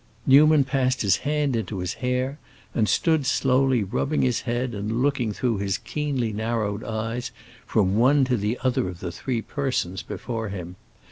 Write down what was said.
Newman passed his hand into his hair and stood slowly rubbing his head and looking through his keenly narrowed eyes from one to the other of the three persons before him.